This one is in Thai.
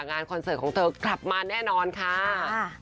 คอนเสิร์ตของเธอกลับมาแน่นอนค่ะ